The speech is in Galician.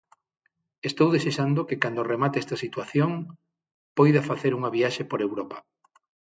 Estou desexando que cando remate esta situación poida facer unha viaxe por Europa.